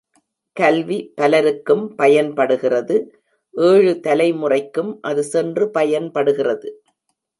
கல்வி பலருக்கும் பயன்படுகிறது ஏழு தலைமுறைக்கும் அது சென்று பயன்படுகிறது.